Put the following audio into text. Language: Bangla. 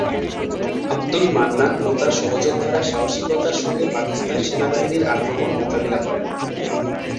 আবদুল মান্নান ও তার সহযোদ্ধারা সাহসিকতার সঙ্গে পাকিস্তান সেনাবাহিনীর আক্রমণ মোকাবিলা করেন।